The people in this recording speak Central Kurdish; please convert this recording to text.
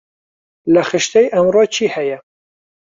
لە خشتەی ئەمڕۆ چی هەیە؟